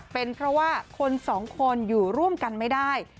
เป็นเพราะว่าคนสองคนอยู่ร่วมกันไม่ได้